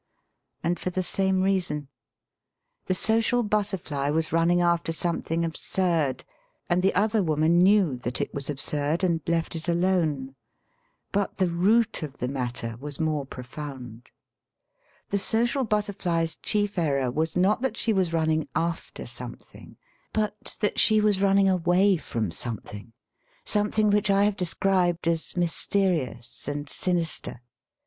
And for the same reason. The social butterfly was running after something absurd, and the other woman knew that it was absurd and left it alone. But the root of the matter was more pro found. The social butterfly's chief error was not that she was running after something, but that she was running away from something — some thing which I have described as mysterious and sinister.